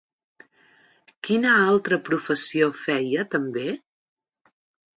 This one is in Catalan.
Quina altra professió feia també?